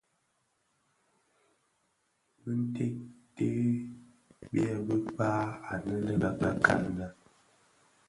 Bintèd nted byebi kpäg anë bekan lè.